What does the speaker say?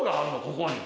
ここに。